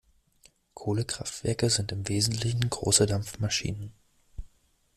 Kohlekraftwerke sind im Wesentlichen große Dampfmaschinen.